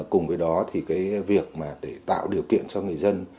cùng với đó thì cái việc mà để tạo điều kiện cho người dân